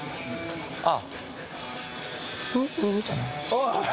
おい！